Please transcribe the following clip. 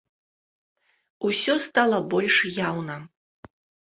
Усё стала больш яўна.